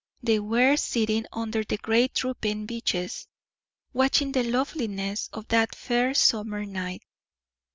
They were sitting under the great drooping beeches, watching the loveliness of that fair summer night.